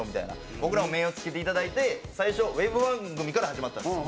僕らも目を付けていただいて最初ウェブ番組から始まったんですよ。